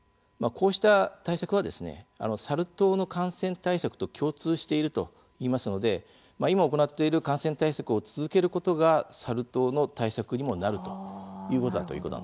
こうした対策は、サル痘の感染対策と共通しているといいますので今、行っている感染対策を続けることがサル痘の対策にもなるということなんですね。